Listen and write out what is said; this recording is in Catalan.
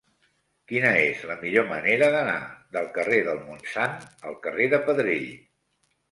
Quina és la millor manera d'anar del carrer del Montsant al carrer de Pedrell?